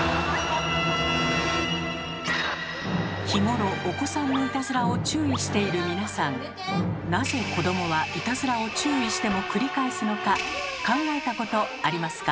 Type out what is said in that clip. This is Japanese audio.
日頃お子さんのいたずらを注意している皆さんなぜ子どもはいたずらを注意しても繰り返すのか考えたことありますか？